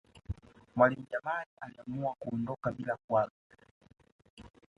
mwalimu jamali aliamua kuondoka bila kuaga